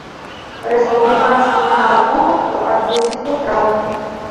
Рэспубліканскі фінал конкурсу адбудзецца ў траўні.